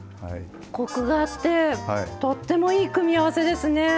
コクがあってとってもいい組み合わせですね。